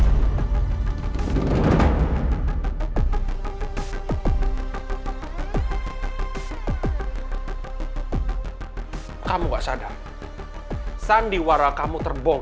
sumpah benci banget ceasongan